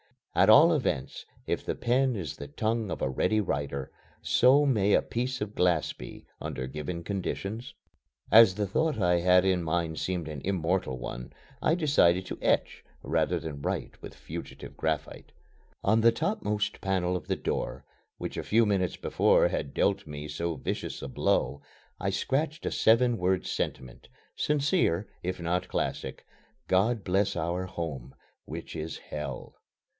At all events, if the pen is the tongue of a ready writer, so may a piece of glass be, under given conditions. As the thought I had in mind seemed an immortal one I decided to etch, rather than write with fugitive graphite. On the topmost panel of the door, which a few minutes before had dealt me so vicious a blow, I scratched a seven word sentiment sincere, if not classic: "God bless our Home, which is Hell."